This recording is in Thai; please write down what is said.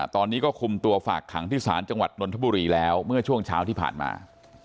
ตอนนี้ก็คุมตัวฝากขังที่ศาลจังหวัดนนทบุรีแล้วเมื่อช่วงเช้าที่ผ่านมา